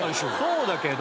そうだけど。